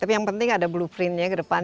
tapi yang penting ada blueprintnya ke depan